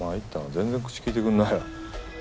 全然口利いてくれないよ。